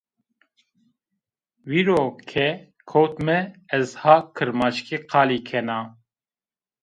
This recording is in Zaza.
Vîro ke kewt mi ez ha kirmanckî qalî kena